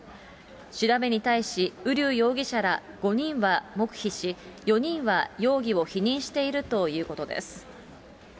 調べに対し、瓜生容疑者ら５人は黙秘し、４人は容疑を否認しているということです。